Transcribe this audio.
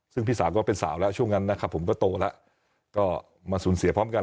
ซึ่งพี่สาวก็เป็นสาวแล้วช่วงนั้นนะครับผมก็โตแล้วก็มาสูญเสียพร้อมกัน